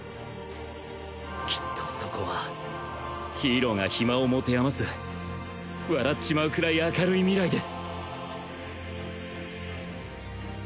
きっとそこはヒーローが暇を持て余す笑っちまうくらい明るい未来です。